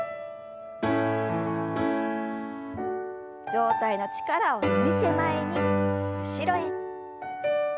上体の力を抜いて前に後ろへ。